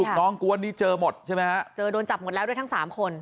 น้องกวนนี้เจอหมดใช่ไหมฮะเจอโดนจับหมดแล้วด้วยทั้งสามคน